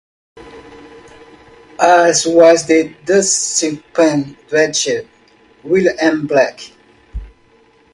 As was the dustpan dredge "William M. Black".